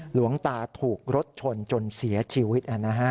หลวงตาถูกรถชนจนเสียชีวิต